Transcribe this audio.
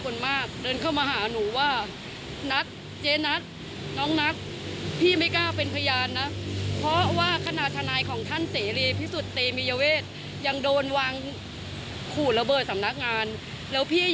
แล้วพวกน้องจะให้พี่ทำอย่างไร